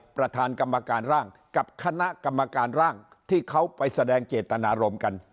ประธานกรรมการร่างกับคณะกรรมการร่างที่เขาไปแสดงเจตนารมณ์กัน